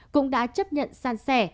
cũng đã chấp nhận san sẻ